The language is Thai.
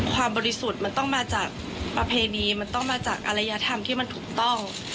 บริสุทธิ์มันต้องมาจากประเพณีมันต้องมาจากอรยธรรมที่มันถูกต้อง